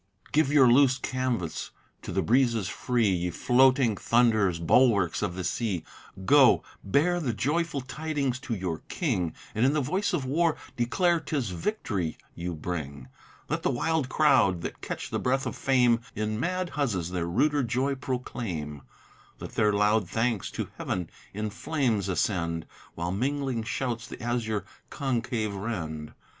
Give your loose canvas to the breezes free, Ye floating thund'rers, bulwarks of the sea: Go, bear the joyful tidings to your king, And, in the voice of war, declare 'tis victory you bring: Let the wild crowd that catch the breath of fame, In mad huzzas their ruder joy proclaim: Let their loud thanks to heav'n in flames ascend, While mingling shouts the azure concave rend.